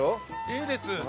いいです。